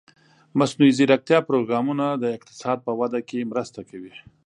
د مصنوعي ځیرکتیا پروګرامونه د اقتصاد په وده کې مرسته کوي.